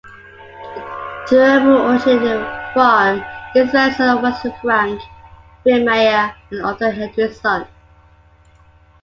The term originated from Israelson and West and Frank Veihmeyer and Arthur Hendrickson.